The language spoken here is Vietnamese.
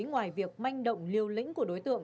ngoài việc manh động liêu lĩnh của đối tượng